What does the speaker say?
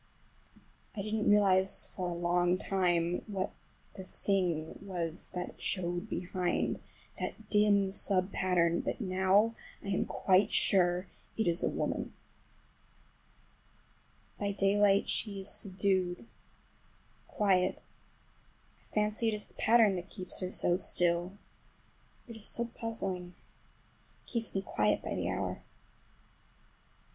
I didn't realize for a long time what the thing was that showed behind,—that dim sub pattern,—but now I am quite sure it is a woman. By daylight she is subdued, quiet. I fancy it is the pattern that keeps her so still. It is so puzzling. It keeps me quiet by the hour.